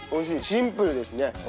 シンプルですね。